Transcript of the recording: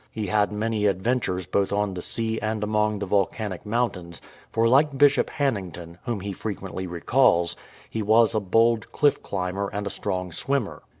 He had many adventures both on the sea and among the volcanic mountains, for like Bishop Hannington, whom he frequently recalls, he was a bold cliff climber and a strong swimmer.